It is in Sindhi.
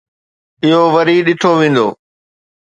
اهو وري ڏٺو ويندو.